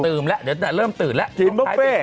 ตื่นแล้วเดี๋ยวตะเริ่มตื่นแล้วตอนท้ายติดหนึ่ง